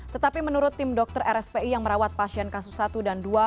tetapi menurut tim dokter rspi yang merawat pasien kasus satu dan dua